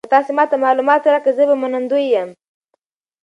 که تاسي ما ته معلومات راکړئ زه به منندوی یم.